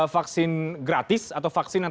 vaksin gratis atau vaksin yang